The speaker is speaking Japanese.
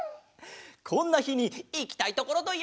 こんなひにいきたいところといえば？